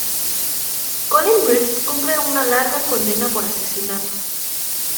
Colin Briggs cumple una larga condena por asesinato.